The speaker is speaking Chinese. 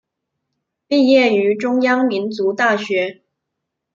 毕业于中央民族大学。